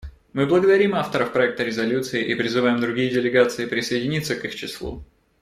Мы благодарим авторов проекта резолюции и призываем другие делегации присоединиться к их числу.